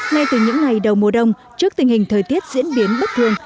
ngay từ những ngày đầu mùa đông trước tình hình thời tiết diễn biến bất thường